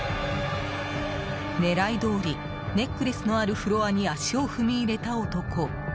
狙いどおりネックレスのあるフロアに足を踏み入れた男。